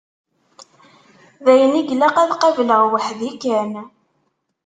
D ayen i ilaq ad qableɣ weḥd-i kan.